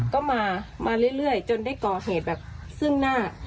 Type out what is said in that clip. ก็มามาเรื่อยจนได้ก่อเหตุแบบซึ่งหน้า